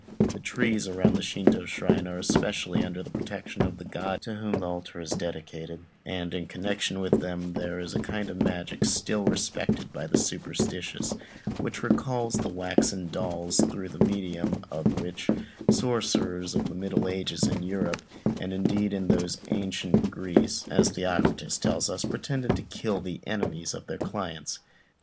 The trees around a Shintô shrine are specially under the protection of the god to whom the altar is dedicated; and, in connection with them, there is a kind of magic still respected by the superstitious, which recalls the waxen dolls, through the medium of which sorcerers of the middle ages in Europe, and indeed those of ancient Greece, as Theocritus tells us, pretended to kill the enemies of their clients.